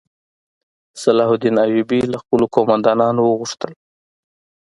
صلاح الدین ایوبي له خپلو قوماندانانو وغوښتل.